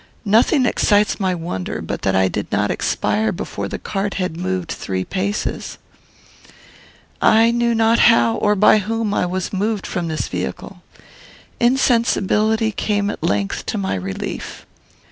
Nothing excites my wonder but that I did not expire before the cart had moved three paces. "I knew not how, or by whom, I was moved from this vehicle. Insensibility came at length to my relief.